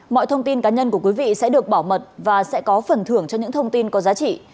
mọi thông tin cá nhân của quý vị sẽ được bảo mật và sẽ có phần thưởng cho những thông tin có giá trị